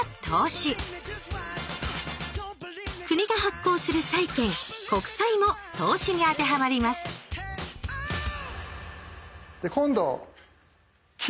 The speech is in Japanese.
国が発行する債券「国債」も投資に当てはまります今度金。